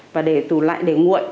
và để tủ lạnh để nguội